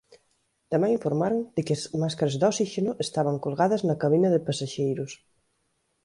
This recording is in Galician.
Tamén informaron de que as máscaras de osíxeno estaban colgadas na cabina de pasaxeiros.